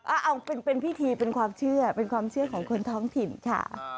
เอาเป็นพิธีเป็นความเชื่อเป็นความเชื่อของคนท้องถิ่นค่ะ